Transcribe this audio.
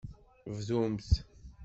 Bdumt.